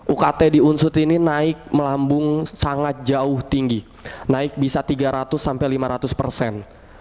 ukt di unsut ini naik melambung sangat jauh tinggi naik bisa tiga ratus sampai lima ratus persen